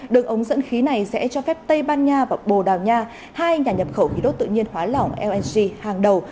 đường ống dẫn khí này sẽ cho phép tây ban nha và bồ đào nha hai nhà nhập khẩu khí đốt tự nhiên hóa lỏng lng hàng đầu